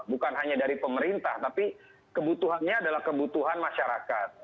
bukan hanya dari pemerintah tapi kebutuhannya adalah kebutuhan masyarakat